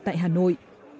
tại hà nội